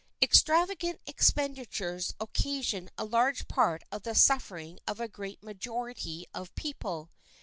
Extravagant expenditures occasion a large part of the suffering of a great majority of people.